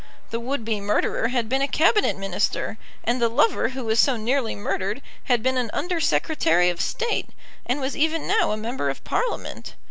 The would be murderer had been a Cabinet Minister, and the lover who was so nearly murdered had been an Under Secretary of State, and was even now a member of Parliament.